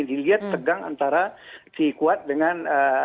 dilihat tegang antara si kuat dengan